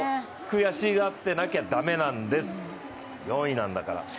悔しがってなきゃ駄目なんです、４位なんだから。